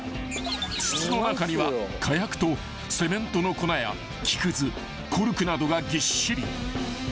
［筒の中には火薬とセメントの粉や木くずコルクなどがぎっしり］